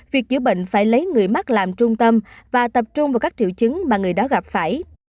việc chữa bệnh phải lấy người mắc làm trung tâm và tập trung vào các triệu chứng mà người đó gặp phải